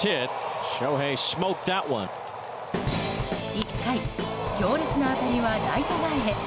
１回、強烈な当たりはライト前へ。